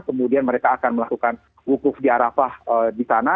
kemudian mereka akan melakukan wukuf di arafah di sana